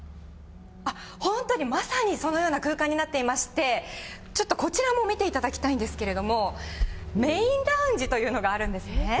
本当に、まさにそのような空間になっていまして、ちょっとこちらも見ていただきたいんですけれども、メインラウンジというのがあるんですね。